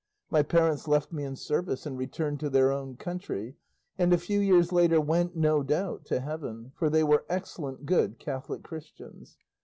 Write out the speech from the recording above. My parents left me in service and returned to their own country, and a few years later went, no doubt, to heaven, for they were excellent good Catholic Christians.